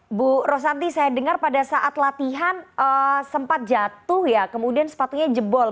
ibu rosanti saya dengar pada saat latihan sempat jatuh ya kemudian sepatunya jebol